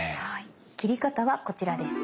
切り方はこちらです。